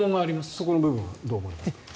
そこの部分はどう思われますか。